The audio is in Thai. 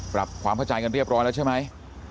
ปรับความเข้าใจกันเรียบร้อยแล้วใช่ไหม